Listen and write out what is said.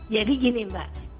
jadi gini mbak